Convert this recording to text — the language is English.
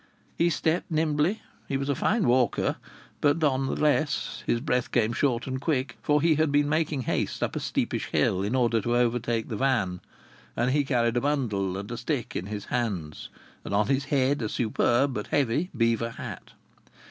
He stepped nimbly he was a fine walker but none the less his breath came short and quick, for he had been making haste up a steepish hill in order to overtake the van. And he carried a bundle and a stick in his hands, and on his head a superb but heavy beaver hat.